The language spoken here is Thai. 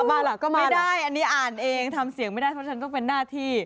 ไม่ได้อันนี้อ่านเองทำเสียงไม่ได้เพราะฉันก็เป็นหน้าที่